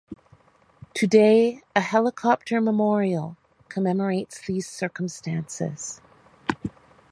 Today, a "helicopter memorial" commemorates these circumstances.